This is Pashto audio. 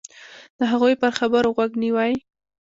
د هغوی پر خبرو غوږ نیوی.